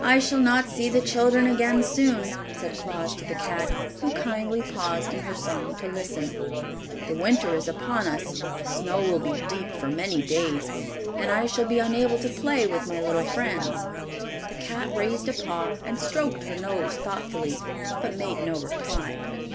"I shall not see the children again soon," said Claus to the cat, who kindly paused in her song to listen. "The winter is upon us, the snow will be deep for many days, and I shall be unable to play with my little friends." The cat raised a paw and stroked her nose thoughtfully, but made no reply.